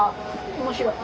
・面白い。